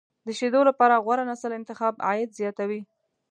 د شیدو لپاره غوره نسل انتخاب، عاید زیاتوي.